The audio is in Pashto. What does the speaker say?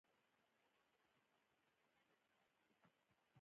د بورې د تولید لپاره د ګنیو کروندو کې استخدام و.